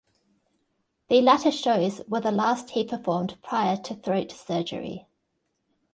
The latter shows were the last he performed prior to throat surgery.